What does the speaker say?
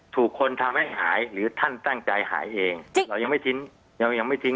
ถูกคนทำให้หายหรือท่านตั้งใจหายเองจริงเรายังไม่ทิ้ง